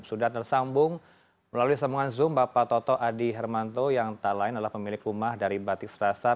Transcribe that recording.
sudah tersambung melalui sambungan zoom bapak toto adi hermanto yang talain adalah pemilik rumah dari batik serasan